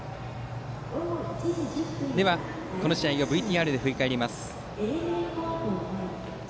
では、この試合をＶＴＲで振り返ります。